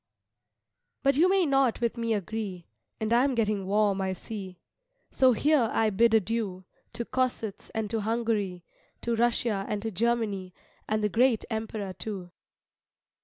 But you may not with me agree, And I am getting warm I see, So here I bid adieu To Kossuth and to Hungary, To Russia and to Germany, And the great Emperor too.